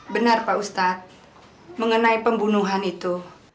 benar pak ustadz mengenai pembunuhan itu